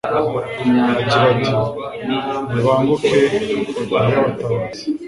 agira ati: Nibanguke ni iy’abatabazi